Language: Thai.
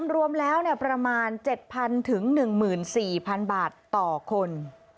รวมแล้วเนี่ยประมาณ๗๐๐๐ถึง๑๔๐๐๐บาทต่อคน